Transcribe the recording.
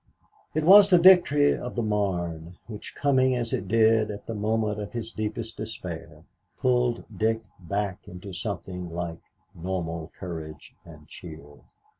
It was the victory of the Marne which, coming as it did at the moment of his deepest despair, pulled Dick back into something like normal courage and cheer.